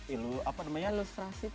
ilustrasi itu gimana sih